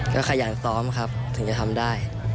ก็ขยันซ้อมครับถึงจะทำได้